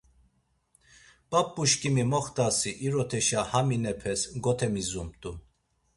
P̌ap̌uşǩimi moxt̆asi iroteşa haminepes gotemizumt̆u.